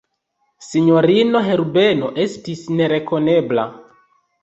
Sinjorino Herbeno estis nerekonebla.